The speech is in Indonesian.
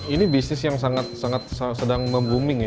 ini bisnis yang sangat sangat sedang membooming ya